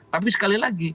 tapi sekali lagi